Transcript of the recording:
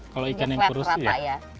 kalau ikan yang kurus ya